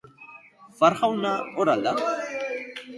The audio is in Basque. Farr jauna hor al da?